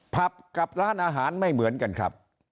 ผับกับร้านอาหารไม่เหมือนกันครับ